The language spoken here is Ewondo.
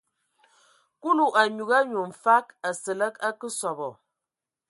Kulu a nyugu anyu mfag Asǝlǝg a ngakǝ sɔbɔ.